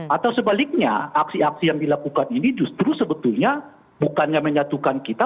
atau sebaliknya aksi aksi yang dilakukan ini justru sebetulnya bukannya menyatukan kita